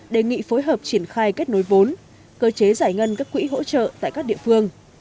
đề nghị phối hợp triển khai kết nối vốn cơ chế giải ngân các quỹ hỗ trợ tại các địa phương